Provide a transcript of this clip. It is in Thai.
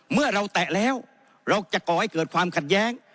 เมื่อเราแตะแล้วเราจะก่อให้เกิดความขัดแย้ง